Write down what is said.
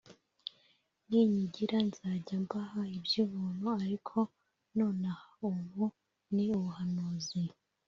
ninyigira nzajya mbaha iby’ubuntu ariko nonaha ubu ni ubuhanuzi